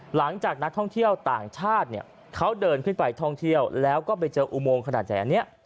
หลังจากนักท่องเที่ยวต่างชาติเนี่ยเขาเดินขึ้นไปท่องเที่ยวแล้วก็ไปเจออุโมงขนาดใหญ่อันนี้